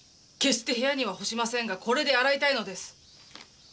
決して部屋には干しませんがこれで洗いたいのです！